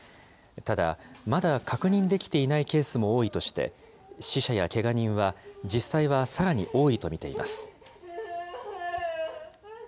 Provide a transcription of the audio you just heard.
ただ、まだ確認できていないケースも多いとして、死者やけが人は、実際はさらに多いと見ています。